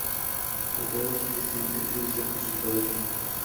La entrada sobre este buque puede ser consultada aquí